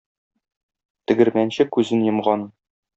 Тегермәнче күзен йомган.